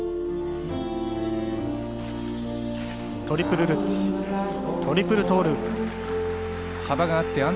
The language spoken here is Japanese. トリプルルッツ、トリプルトーループ。